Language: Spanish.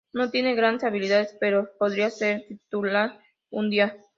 No tiene grandes habilidades, pero podría ser titular un día".